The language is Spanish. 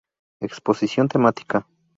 Exposición temática.